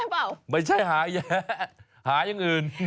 คุณรับแย๊ล่ะเปล่าไม่ใช่หาแย๊หายังอื่น